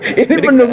anies prasudan menang